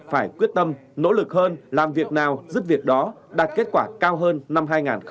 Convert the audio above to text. phải quyết tâm nỗ lực hơn làm việc nào giúp việc đó đạt kết quả cao hơn năm hai nghìn một mươi tám